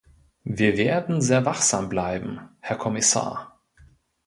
Wir werden sehr wachsam bleiben, Herr Kommissar.